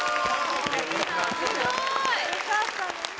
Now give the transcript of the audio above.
・すごい！・・よかったね・